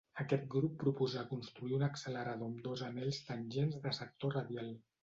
Aquest grup proposà construir un accelerador amb dos anells tangents de sector radial.